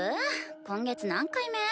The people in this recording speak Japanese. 今月何回目？